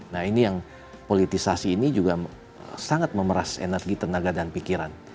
nah ini yang politisasi ini juga sangat memeras energi tenaga dan pikiran